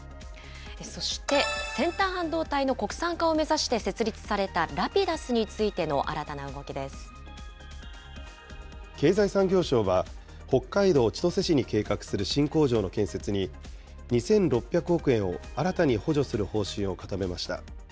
そして、先端半導体の国産化を目指して設立されたＲａｐｉｄ経済産業省は、北海道千歳市に計画する新工場の建設に、２６００億円を新たに補助する方針を固めました。